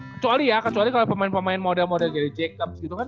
kecuali ya kecuali kalau pemain pemain model model jadi jacobs gitu kan